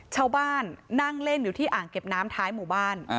ชาวบ้านนั่งเล่นอยู่ที่อ่างเก็บน้ำท้ายหมู่บ้าน